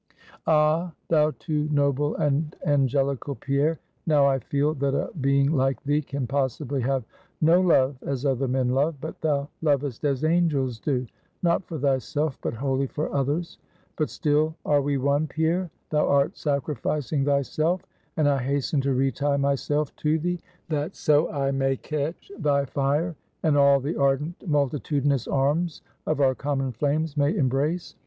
"Ah! thou too noble and angelical Pierre, now I feel that a being like thee, can possibly have no love as other men love; but thou lovest as angels do; not for thyself, but wholly for others. But still are we one, Pierre; thou art sacrificing thyself, and I hasten to re tie myself to thee, that so I may catch thy fire, and all the ardent multitudinous arms of our common flames may embrace.